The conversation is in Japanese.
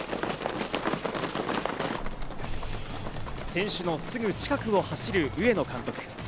選手のすぐ近くを走る上野監督。